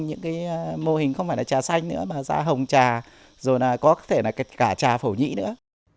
những mô hình không phải là trà xanh nữa mà ra hồng trà rồi có thể là cả trà phổ nhĩ nữa